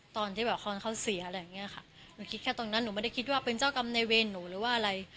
ตอนที่แบบคอนเขาเสียอะไรอย่างเงี้ยค่ะหนูคิดแค่ตรงนั้นหนูไม่ได้คิดว่าเป็นเจ้ากรรมในเวรหนูหรือว่าอะไร